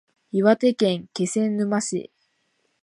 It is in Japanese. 岩手県気仙沼市